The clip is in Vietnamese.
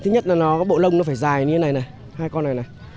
thứ nhất là bộ lông nó phải dài như thế này hai con này này